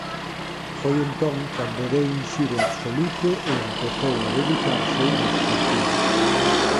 Foi entón cando deu un xiro absoluto e empezou a dedicarse á escultura.